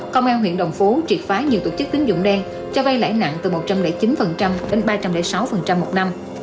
công an huyện đồng phố triệt phái nhiều tổ chức tín dụng đen cho vay lãi nặng từ một trăm linh chín đến ba trăm linh sáu một năm